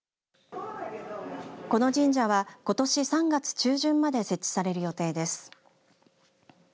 この神社は、ことし３月中旬まで設置される予定です。